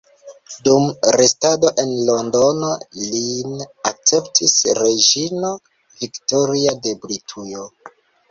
Dum restado en Londono lin akceptis reĝino Viktoria de Britujo.